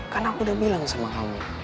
karena aku udah bilang sama kamu